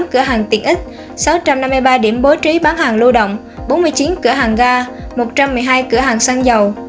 một một trăm bảy mươi tám cửa hàng tiện ích sáu trăm năm mươi ba điểm bố trí bán hàng lưu động bốn mươi chín cửa hàng ga một trăm một mươi hai cửa hàng xăng dầu